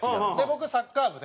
僕サッカー部で。